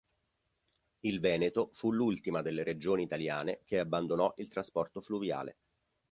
Il Veneto fu l'ultima delle regioni italiane che abbandonò il trasporto fluviale.